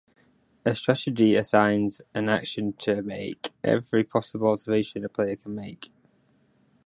A strategy assigns an action to every possible observation a player can make.